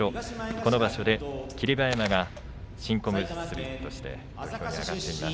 この場所で霧馬山が新小結として土俵に上がっています。